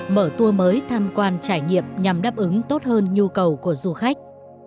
mở tour mới tham quan trải nghiệm nhằm đáp ứng tốt hơn nhu cầu của du khách